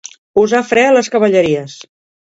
Posar fre a les cavalleries.